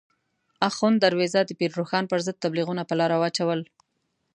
اخوند درویزه د پیر روښان پر ضد تبلیغونه په لاره واچول.